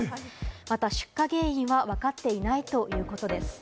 また、出火原因はわかっていないということです。